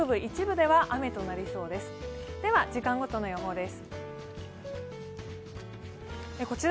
では、時間ごとの予報です。